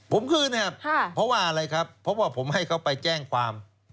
ผมคืนนะครับเพราะว่าอะไรครับเพราะว่าผมให้เขาไปแจ้งความ